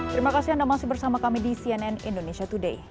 terima kasih anda masih bersama kami di cnn indonesia today